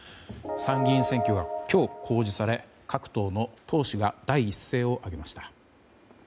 参議院選挙は今日公示され各党の党首が第一声を上げました。